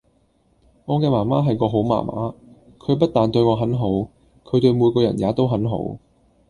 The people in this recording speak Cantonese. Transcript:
我嘅媽媽係個好媽媽，佢不但對我很好，佢對每個人也都很好